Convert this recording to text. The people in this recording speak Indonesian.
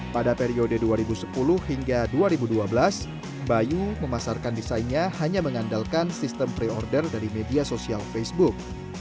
pada periode dua ribu sepuluh hingga dua ribu dua belas bayu memasarkan desainnya hanya mengandalkan sistem pre order dari media sosial facebook